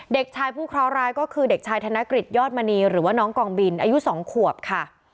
เด็กชายผู้เคราะหร้ายก็คือเด็กชายธนกฤษยอดมณีหรือว่าน้องกองบินอายุ๒ขวบค่ะ